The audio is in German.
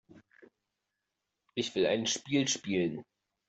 Ich will ein Spiel spielen.